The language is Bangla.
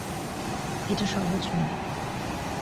এটা সহজ নয়।